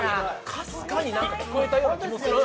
かすかに何か聞こえたような気もする。